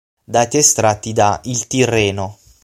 Dati estratti da "Il Tirreno".